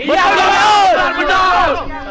iya betul betul